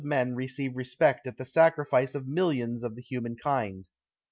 401 men receive respect at the sacrifice of millions of the hu man kind